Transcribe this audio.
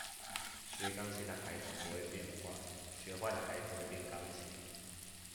學鋼琴的孩子不會變壞，學壞的孩子會變鋼琴